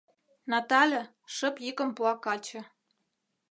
— Натале... — шып йӱкым пуа каче.